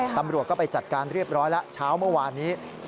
ตำรวจก็ไปจัดการเรียบร้อยแล้วเช้าเมื่อวานนี้